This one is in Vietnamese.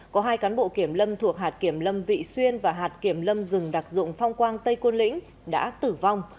có hai cán bộ kiểm lâm thuộc hạt kiểm lâm vị xuyên và hạt kiểm lâm rừng đặc dụng phong quang tây côn lĩnh đã tử vong